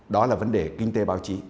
đó là vấn đề kinh tế báo chí